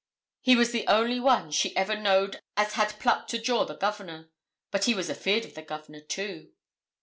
He was the only one 'she ever knowed as had pluck to jaw the Governor.' But he was 'afeard on the Governor, too.'